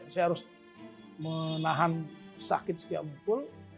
saya harus menahan sakit setiap mukul